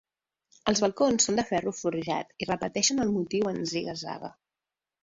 Els balcons són de ferro forjat i repeteixen el motiu en ziga-zaga.